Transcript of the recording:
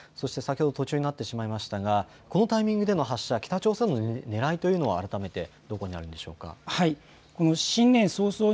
先ほど途中になってしまいましたがこのタイミングでの発射、北朝鮮のねらいというのを改めて、どういうところにあるのでしょうか。